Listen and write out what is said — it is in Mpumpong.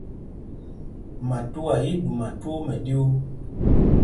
Matuá í í ɗuma twóó mɛɗyuu.